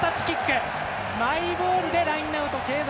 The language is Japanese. マイボールでラインアウト継続。